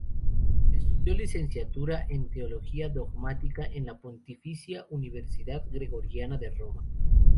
Estudió Licenciatura en Teología Dogmática en la Pontificia Universidad Gregoriana de Roma.